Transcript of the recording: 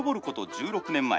１６年前。